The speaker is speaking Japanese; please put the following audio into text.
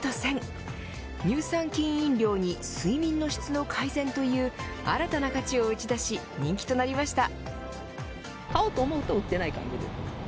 乳酸菌飲料に睡眠の質の改善という新たな価値を打ち出し人気となりました。